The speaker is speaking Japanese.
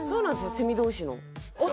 セミ同士の？